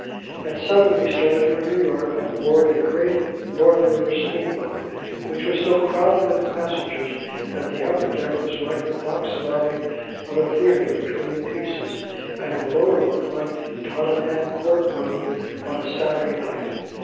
At seven we started for New York on board a great North River steamboat, which was so crowded with passengers that the upper deck was like the box lobby of a theatre between the pieces, and the lower one like Tottenham Court Road on a Saturday night.